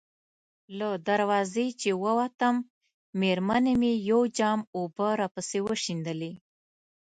له دروازې چې ووتم، مېرمنې مې یو جام اوبه راپسې وشیندلې.